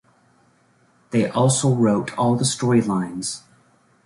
They also wrote all the storylines.